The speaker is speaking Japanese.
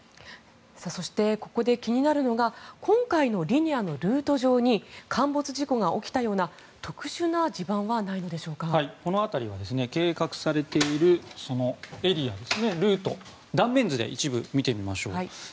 そしてここで気になるのが今回のリニアのルート上に陥没事故が起きたようなこの辺りは計画されているエリアルートを断面図で見てみましょう。